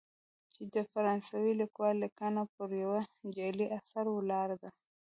چې د فرانسوي لیکوال لیکنه پر یوه جعلي اثر ولاړه ده.